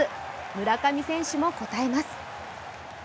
村上選手も応えます。